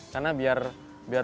karena biar lupa